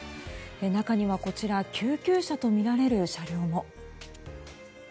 中には救急車とみられる車両も。